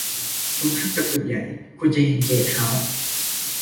ตรงข้ามกับตึกใหญ่ คุณจะเห็นเกสต์เฮาส์